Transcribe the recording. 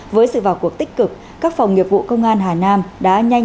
với sự vào cuộc tích cực các phòng nghiệp vụ công an hà nam đã nhanh chóng